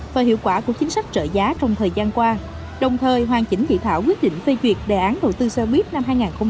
và hiệu quả của chính sách trợ giá trong thời gian qua đồng thời hoàn chỉnh dị thảo quyết định phê duyệt đề án đầu tư xe buýt năm hai nghìn hai mươi